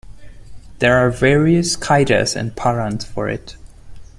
There are various Kaidas and Parans for it.